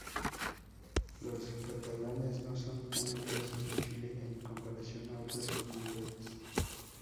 Los catalanes no son tan numerosos en Chile en comparación a otras comunidades.